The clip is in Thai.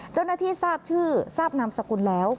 เจ้าหน้าที่ทราบชื่อทราบนามสกุลแล้ว